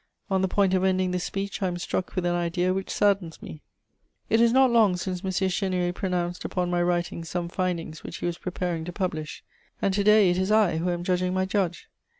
On the point of ending this speech, I am struck with an idea which saddens me: it is not long since M. Chénier pronounced upon my writings some findings which he was preparing to publish; and to day it is I who am judging my judge.